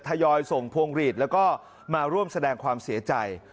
ทยอยส่งพวงหลีดแล้วก็มาร่วมแสดงความเสียใจ